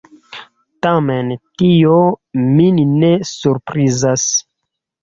Tamen tio min ne surprizas.